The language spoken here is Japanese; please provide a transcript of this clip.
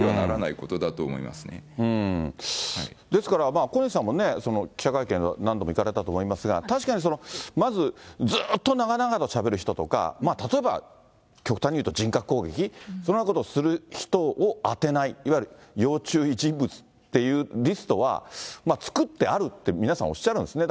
ただ、小西さんも記者会見は何度も行かれたと思いますが、確かに、まず、ずっと長々としゃべる人とか、例えば極端に言うと人格攻撃、そんなことをする人を当てない、いわゆる要注意人物っていうリストは、作ってあるって皆さんおっしゃるんですね。